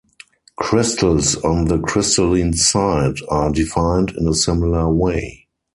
Crystals on the crystalline site are defined in a similar way.